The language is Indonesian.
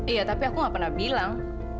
iya tapi aku gak pernah bilang